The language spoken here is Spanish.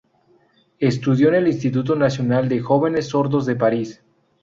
Estudió en el Instituto Nacional de Jóvenes Sordos de París.